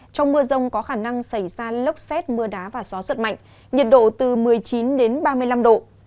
trong mưa rông có khả năng xảy ra lốc xét mưa đá và gió giật mạnh nhiệt độ từ một mươi chín đến ba mươi năm độ